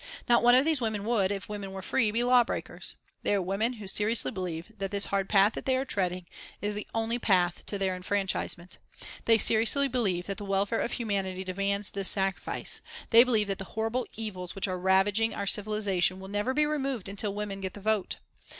Not one of these women would, if women were free, be law breakers. They are women who seriously believe that this hard path that they are treading is the only path to their enfranchisement. They seriously believe that the welfare of humanity demands this sacrifice; they believe that the horrible evils which are ravaging our civilisation will never be removed until women get the vote.